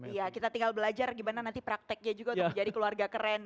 iya kita tinggal belajar gimana nanti prakteknya juga untuk menjadi keluarga keren